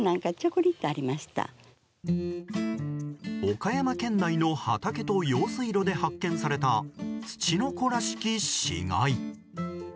岡山県内の畑と用水路で発見されたツチノコらしき死骸。